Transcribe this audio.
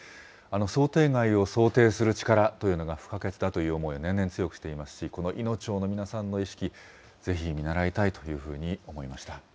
想定外を想定する力というのが不可欠だという思い、年々強くしていますし、このいの町の皆さんの意識、ぜひ見習いたいというふうに思いました。